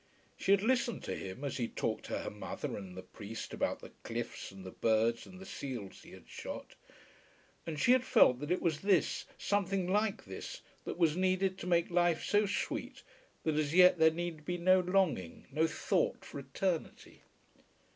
She had listened to him, as he talked to her mother and the priest about the cliffs and the birds and the seals he had shot, and she had felt that it was this, something like this, that was needed to make life so sweet that as yet there need be no longing, no thought, for eternity.